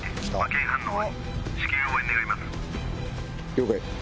了解。